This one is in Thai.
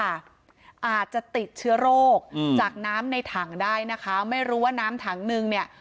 อาจจะติดเชื้อโรคอืมจากน้ำในถังได้นะคะไม่รู้ว่าน้ำถังนึงเนี่ย